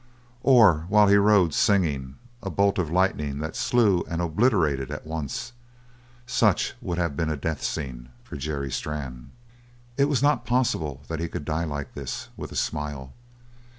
Or while he rode singing, a bolt of lightning that slew and obliterated at once such would have been a death for Jerry Strann. It was not possible that he could die like this, with a smile.